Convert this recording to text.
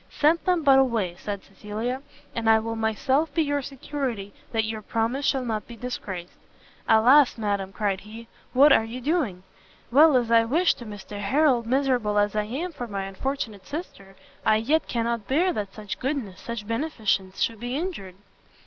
"Send them but away," said Cecilia, "and I will myself be your security that your promise shall not be disgraced." "Alas, madam," cried he, "what are you doing? well as I wish to Mr Harrel, miserable as I am for my unfortunate sister, I yet cannot bear that such goodness, such beneficence should be injured!"